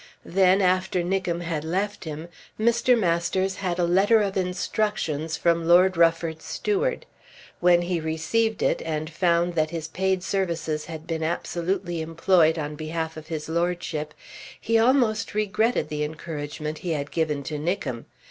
Then, after Nickem had left him, Mr. Masters had a letter of instructions from Lord Rufford's steward. When he received it, and found that his paid services had been absolutely employed on behalf of his Lordship, he almost regretted the encouragement he had given to Nickem.